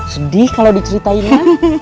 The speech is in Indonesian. sedih kalau diceritain ya